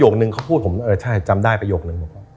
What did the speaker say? หนึ่งเขาพูดผมเออใช่จำได้ประโยคนึง